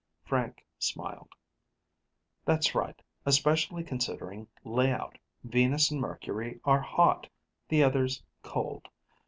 Frank smiled, "That's right, especially considering layout. Venus and Mercury are hot; the others, cold.